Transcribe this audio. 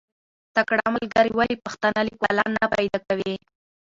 تکړه ملګري ولې پښتانه لیکوالان نه پیدا کوي؟